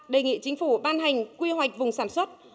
đề nghị chính phủ ban hành quy hoạch vùng sản xuất